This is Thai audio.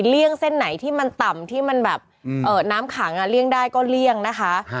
เลี่ยงเส้นไหนที่มันต่ำที่มันแบบน้ำขังเลี่ยงได้ก็เลี่ยงนะคะ